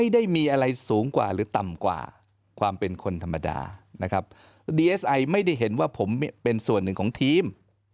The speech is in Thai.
ดีเอสไอไม่ได้เห็นว่าผมเป็นส่วนหนึ่งของทีม